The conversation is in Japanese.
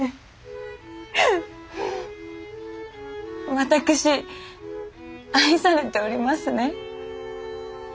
私愛されておりますね。